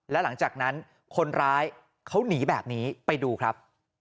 แล้วหลังจากนั้นคนร้ายเขาหนีแบบนี้ไปดูครับ